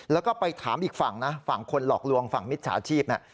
แล้วก็ไปถามอีกฝั่งนะฝั่งคนหลอกลวงฝั่งมิจฉาชีพเนี่ย